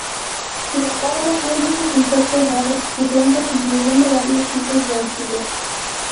Sin embargo, hay muchos insectos raros y plantas, incluyendo varios tipos de orquídeas.